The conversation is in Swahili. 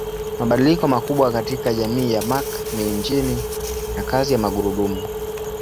Mabadiliko makubwa katika jamii ya Mark ni injini na kazi ya magurudumu.